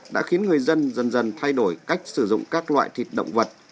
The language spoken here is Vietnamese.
đã khiến người dân dần dần thay đổi cách sử dụng các loại thịt động vật